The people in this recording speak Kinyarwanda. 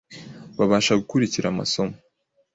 babasha gukurikira amsomo